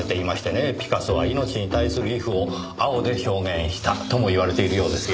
ピカソは命に対する畏怖を青で表現したとも言われているようですよ。